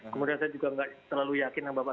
kemudian saya juga nggak terlalu yakin sama bapak